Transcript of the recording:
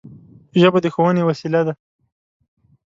ژبه د ښوونې وسیله ده